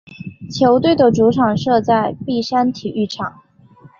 球队的主场设在碧山体育场。